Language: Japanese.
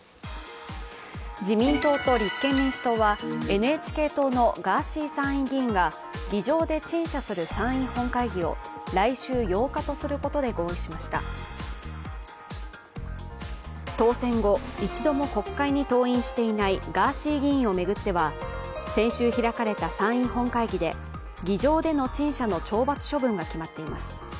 自民党と立憲民主党はＮＨＫ党のガーシー議員が議場で陳謝する参院本会議を来週８日とすることで合意しました当選後、一度も国会に登院していないガーシー議員を巡っては先週開かれた参院本会議で議場での陳謝の懲罰処分が決まっています。